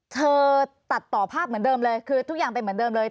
ตัดต่อภาพเหมือนเดิมเลยคือทุกอย่างเป็นเหมือนเดิมเลย